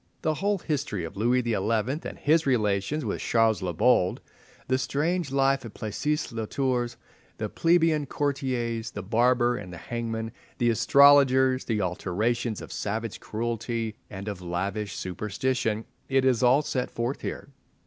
The whole history of Louis XI. and his relations with Charles the Bold, the strange life at Plessis le Tours, the plebeian courtiers, the barber and the hangman, the astrologers, the alternations of savage cruelty and of slavish superstition—it is all set forth here.